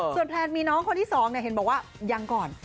ส่วนแพลนมีน้องคนที่๒เห็นบอกว่ายังก่อน